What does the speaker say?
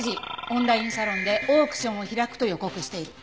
オンラインサロンでオークションを開くと予告している。